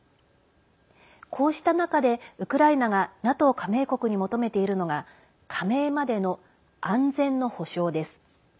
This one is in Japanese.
こうした中で、ウクライナがＮＡＴＯ加盟国に求めているのが加盟までの安全の保証です。